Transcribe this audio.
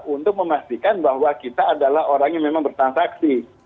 untuk memastikan bahwa kita adalah orang yang memang bertransaksi